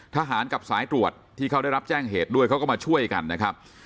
ทหารกับสายตรวจที่เขาได้รับแจ้งเหตุด้วยเขาก็มาช่วยกันนะครับ